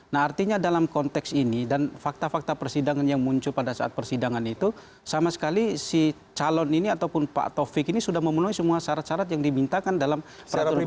nah artinya dalam konteks ini dan fakta fakta persidangan yang muncul pada saat persidangan itu sama sekali si calon ini ataupun pak taufik ini sudah memenuhi semua syarat syarat yang dimintakan dalam peraturan kpu